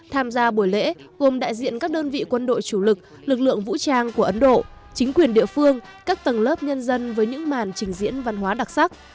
tham gia buổi lễ gồm đại diện các đơn vị quân đội chủ lực lực lượng vũ trang của ấn độ chính quyền địa phương các tầng lớp nhân dân với những màn trình diễn văn hóa đặc sắc